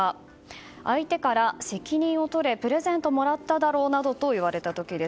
相手から責任をとれプレゼントもらっただろ、などと言われた時です。